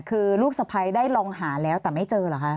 คือลูกสะพ้ายได้ลองหาแล้วแต่ไม่เจอเหรอคะ